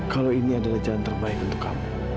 kalau ini adalah jalan terbaik untuk kamu